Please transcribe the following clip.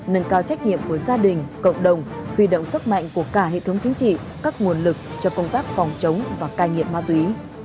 nâng cao trách nhiệm của gia đình cộng đồng huy động sức mạnh của cả hệ thống chính trị các nguồn lực cho công tác phòng chống và cai nghiện ma túy